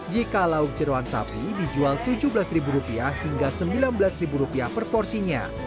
jika lauk jerawan sapi dijual rp tujuh belas hingga rp sembilan belas per porsinya